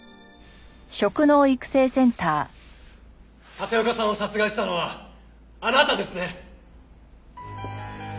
立岡さんを殺害したのはあなたですね？